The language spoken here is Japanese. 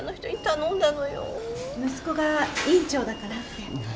息子が院長だからって。